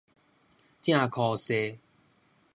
正箍踅